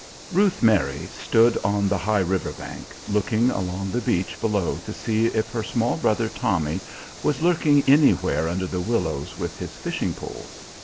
Ruth Mary stood on the high river bank, looking along the beach below to see if her small brother Tommy was lurking anywhere under the willows with his fishing pole.